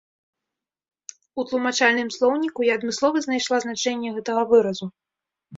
У тлумачальным слоўніку я адмыслова знайшла значэнне гэтага выразу.